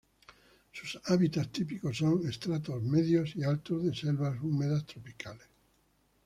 Sus hábitats típicos son estratos medios y altos de selvas húmedas tropicales.